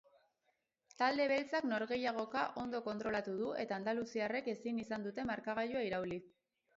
Talde beltzak norgehiagoka ondo kontrolatu du eta andaluziarrek ezin izan dute markagailua irauli.